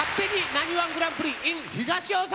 なにわんグランプリｉｎ東大阪」！